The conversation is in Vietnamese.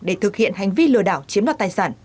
để thực hiện hành vi lừa đảo chiếm đoạt tài sản